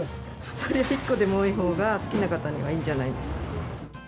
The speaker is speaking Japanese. そりゃ、１個でも多いほうが、好きな方にはいいんじゃないですか。